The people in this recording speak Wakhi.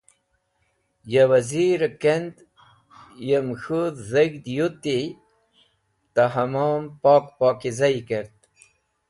Ya Wazir-e kend yem k̃hũ dheg̃hd yuti ta hamom pok pokizayi kert.